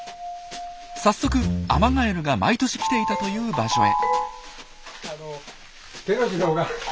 早速アマガエルが毎年来ていたという場所へ。